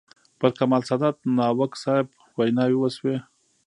پر کمال سادات، ناوک صاحب ویناوې وشوې.